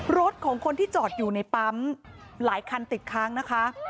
รถของคนที่จอดอยู่ในปั๊มหลายคันติดค้างนะคะ